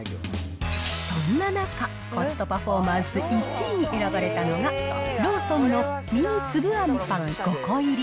そんな中、コストパフォーマンス１位に選ばれたのが、ローソンのミニつぶあんパン５個入り。